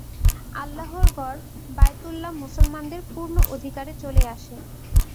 আল্লাহর ঘর বাইতুল্লাহ মুসলমানদের পূর্ণ অধিকারে চলে আসে।